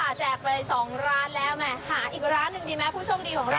คุณค่ะแจกไปสองร้านแล้วหาอีกร้านหนึ่งดีไหมผู้ชมดีของเรา